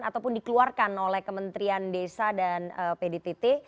ataupun dikeluarkan oleh kementerian desa dan pdtt